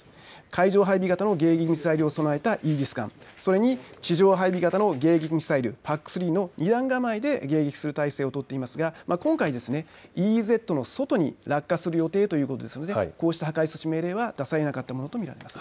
海上配備型の迎撃ミサイルを備えたイージス艦、それに地上配備型の迎撃ミサイル、ＰＡＣ３の２段構えで迎撃する態勢を取っていますが今回、ＥＥＺの外に落下する予定ということでこうした破壊措置命令は出されなかったものと見られます。